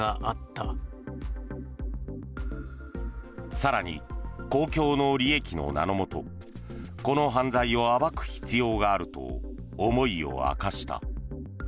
更に、公共の利益の名のもとこの犯罪を暴く必要があると思いを明かした。